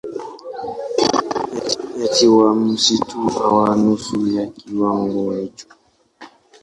Nyati wa msitu huwa nusu ya kiwango hicho.